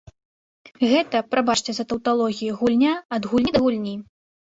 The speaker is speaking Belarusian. Гэта, прабачце за таўталогію, гульня ад гульні да гульні.